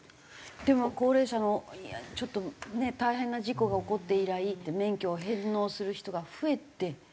でも高齢者のちょっとね大変な事故が起こって以来免許を返納する人が増えてきてはいますけど。